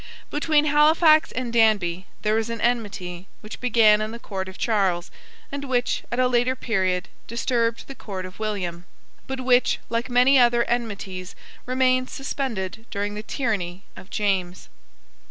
Between Halifax and Danby there was an enmity which began in the court of Charles, and which, at a later period, disturbed the court of William, but which, like many other enmities, remained suspended during the tyranny of James.